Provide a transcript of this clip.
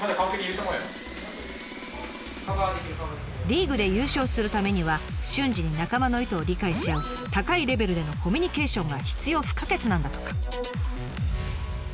リーグで優勝するためには瞬時に仲間の意図を理解し合う高いレベルでのコミュニケーションが必要不可欠なんだとか。